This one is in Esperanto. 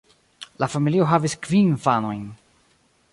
La familio havis kvin infanojn.